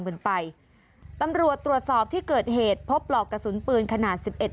กันไปตำรวจตรวจสอบที่เกิดเหตุพบปลอกกระสุนปืนขนาดสิบเอ็ด